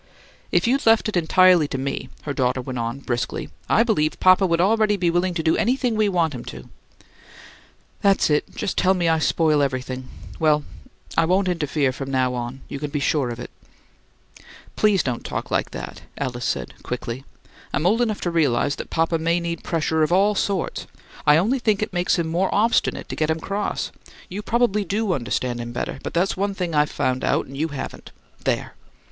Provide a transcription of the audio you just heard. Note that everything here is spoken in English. "If you'd left it entirely to me," her daughter went on, briskly, "I believe papa'd already be willing to do anything we want him to." "That's it; tell me I spoil everything. Well, I won't interfere from now on, you can be sure of it." "Please don't talk like that," Alice said, quickly. "I'm old enough to realize that papa may need pressure of all sorts; I only think it makes him more obstinate to get him cross. You probably do understand him better, but that's one thing I've found out and you haven't. There!"